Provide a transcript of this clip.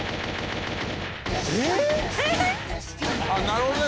なるほどね。